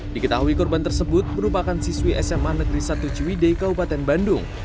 diketahui korban tersebut merupakan siswi sma negeri satu ciwidei kabupaten bandung